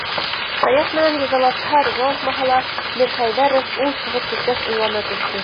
Саяф менән ризалашһа-ризалашмаһа ла Мирхәйҙәров, ул сығып киткәс, уйлана төштө.